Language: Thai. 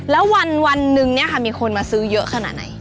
แล้ววันนึงเนี่ยค่ะมีคนมาซื้อเยอะขนาดไหน